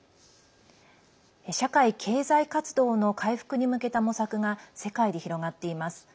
社会経済活動の回復に向けた模索が世界で広がっています。